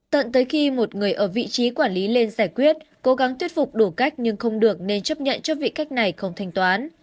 tận tới khi một người ở vị trí quản lý lên giải quyết cố gắng thuyết phục đủ cách nhưng không được nên chấp nhận cho vị cách này không thanh toán